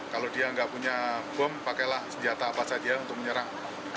kalau dia nggak punya bom pakailah senjata apa saja untuk menyerang